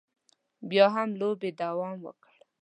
بیا هم لوبې دوام وکړ.